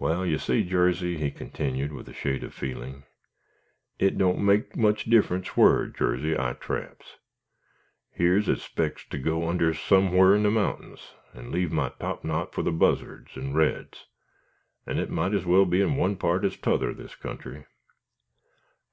"Wal, you see, Jarsey," he continued, with a shade of feeling, "it don't make much difference whar I traps. Yer's as s'pects to go under somewhar in the mountains, and leave my topknot fur the buzzards and reds, and it mought as well be in one part as t'other of this country."